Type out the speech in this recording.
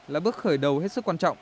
là bước khởi đầu